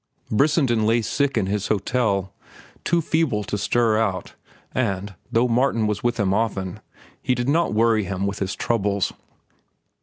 Brissenden lay sick in his hotel, too feeble to stir out, and, though Martin was with him often, he did not worry him with his troubles.